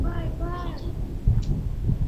华南花蟹蛛为蟹蛛科花蟹蛛属的动物。